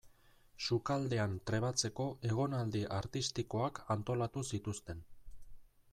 Sukaldean trebatzeko egonaldi artistikoak antolatu zituzten.